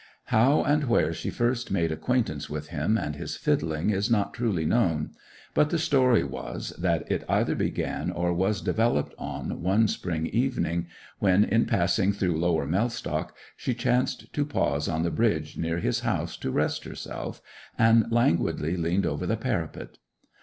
How and where she first made acquaintance with him and his fiddling is not truly known, but the story was that it either began or was developed on one spring evening, when, in passing through Lower Mellstock, she chanced to pause on the bridge near his house to rest herself, and languidly leaned over the parapet.